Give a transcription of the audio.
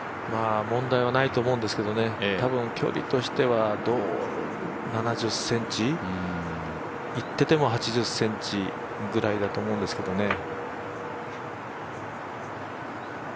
問題はないと思うんですけどただ、距離としては７０ｃｍ、いってても８０ｃｍぐらいだと思うんですけどね。